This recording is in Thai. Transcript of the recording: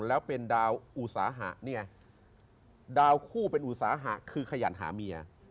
แล้วเป็นดาวอุตสาหะเนี่ยดาวคู่เป็นอุตสาหะคือขยันหาเมีย